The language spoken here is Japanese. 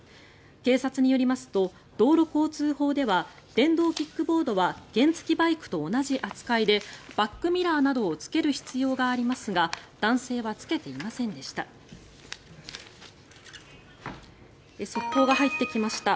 警察によりますと道路交通法では電動キックボードは原付きバイクと同じ扱いでバックミラーなどをつける必要がありますが男性はつけていませんでした。